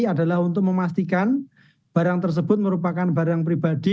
adalah untuk memastikan barang tersebut merupakan barang pribadi